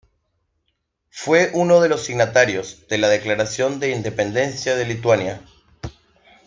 Fue uno de los signatarios de la declaración de independencia de Lituania.